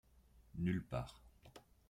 Nulle part.